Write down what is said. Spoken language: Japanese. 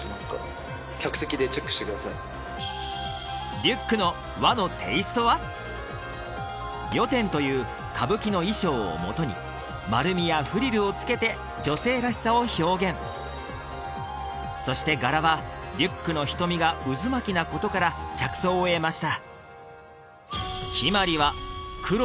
リュックの和のテイストは四天という歌舞伎の衣装をもとに丸みやフリルをつけて女性らしさを表現そして柄はリュックの瞳が渦巻きなことから着想を得ました